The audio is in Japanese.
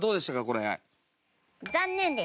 これ。